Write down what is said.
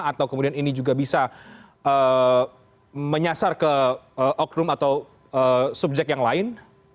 atau kemudian ini juga bisa menyasar ke oknum atau subjek yang lain